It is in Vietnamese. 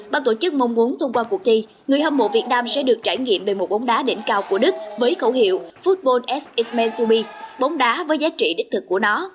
bằng tổ chức mong muốn thông qua cuộc thi người hâm mộ việt nam sẽ được trải nghiệm về một bóng đá đỉnh cao của đức với khẩu hiệu football as it s meant to be bóng đá với giá trị đích thực của nó